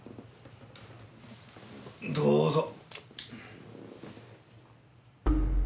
どうぞ。